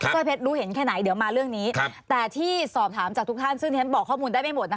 ร้อยเพชรรู้เห็นแค่ไหนเดี๋ยวมาเรื่องนี้แต่ที่สอบถามจากทุกท่านซึ่งที่ฉันบอกข้อมูลได้ไม่หมด